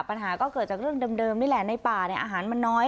ปัญหาก็เกิดจากเรื่องเดิมนี่แหละในป่าเนี่ยอาหารมันน้อย